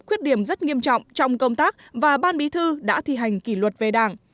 khuyết điểm rất nghiêm trọng trong công tác và ban bí thư đã thi hành kỷ luật về đảng